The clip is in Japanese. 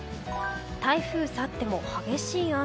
台風去っても激しい雨。